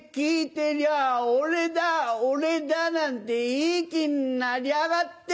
てりゃ「俺だ俺だ」なんていい気になりやがって。